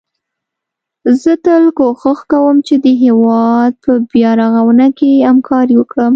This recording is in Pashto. زه تل کوښښ کوم چي د هيواد په بيا رغونه کي همکاري وکړم